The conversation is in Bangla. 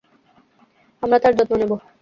আমরা তার যত্ন নেব।